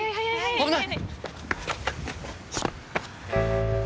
危ない！